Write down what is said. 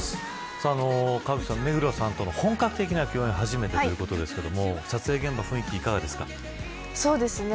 川口さん、目黒さんとの本格的な共演、初めてということですが撮影現場、雰囲気いかがですか。